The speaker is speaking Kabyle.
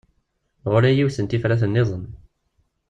Ɣur-i yiwet n tifrat-nniḍen.